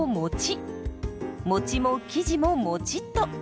もちも生地ももちっと。